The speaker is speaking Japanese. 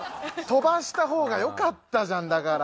飛ばした方がよかったじゃんだから。